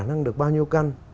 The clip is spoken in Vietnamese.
khả năng được bao nhiêu căn